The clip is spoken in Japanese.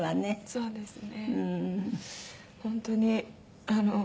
そうですね。